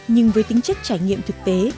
nhưng với tính chất trải nghiệm thực tế